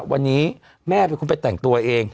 วันนี้แม่เป็นคนไปแต่งตัวเอง